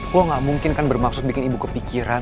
gue gak mungkin kan bermaksud bikin ibu kepikiran